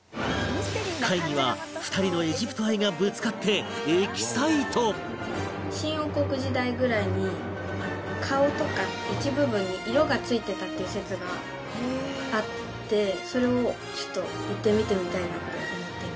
会議は２人の新王国時代ぐらいに顔とか一部分に色が付いてたっていう説があってそれをちょっと行って見てみたいなって思ってます。